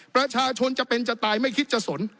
ประชาชนจะเป็นจะตายไม่คิดจะสน